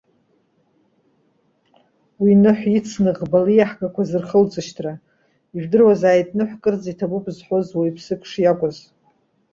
Уа, Ныҳә ицны ӷбала ииаҳгақәаз рхылҵышҭра! Ижәдыруазааит, Ныҳә кырӡа иҭабуп зҳәоз уаҩԥсык шиакәын.